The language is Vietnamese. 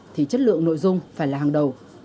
thì chất lượng nội dung phải là hàng đầu